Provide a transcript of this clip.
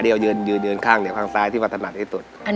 เดี่ยวเลิงนยืนแล้วข้างซ้ายมันสันนัดที่สุด